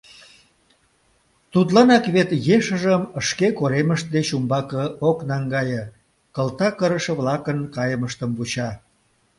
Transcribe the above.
Тудланак вет ешыжым «шке коремышт» деч умбаке ок наҥгае, кылта кырыше-влакын кайымыштым вуча.